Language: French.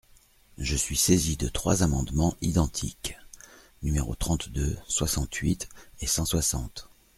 Je suis saisi de trois amendements identiques, numéros trente-deux, soixante-huit et cent soixante.